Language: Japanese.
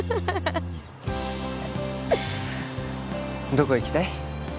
どこ行きたい？